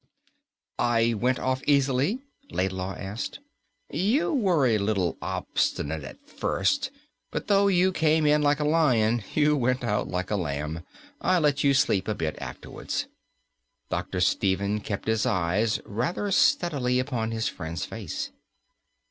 "I went off easily?" Laidlaw asked. "You were a little obstinate at first. But though you came in like a lion, you went out like a lamb. I let you sleep a bit afterwards." Dr. Stephen kept his eyes rather steadily upon his friend's face.